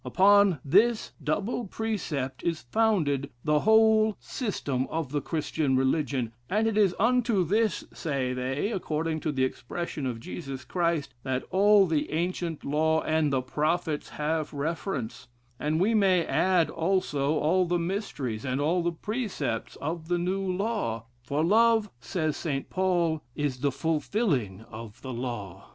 Upon this double precept is founded the whole system of the Christian religion; and it is unto this, say they, according to the expression of Jesus Christ, that all the ancient law and the prophets have reference; and we may add also, all the mysteries, and all the precepts of the new law; for love, says St. Paul, is the fulfilling of the law.'